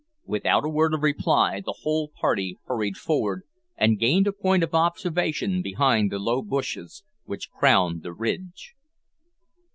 Without a word of reply, the whole party hurried forward and gained a point of observation behind the low bushes which crowned the ridge.